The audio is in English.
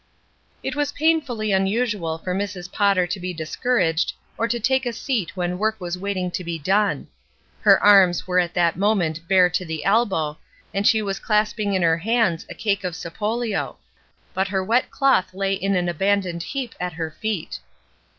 It was painfully unusual for Mrs. Potter to be discouraged or to take a seat when work was waiting to be done. Her arms were at that moment bare to the elbow, and she was clasping in her hands a cake of sapoUo; but her wet cloth lay in an abandoned heap at her feet.